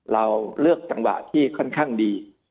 เราเลือกจังหวะที่ค่อนข้างดี